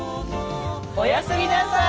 おやすみなさい。